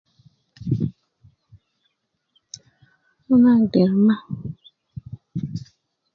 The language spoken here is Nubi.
Ana agder ma